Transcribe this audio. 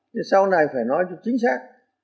thì sau này phải nói cho chính xác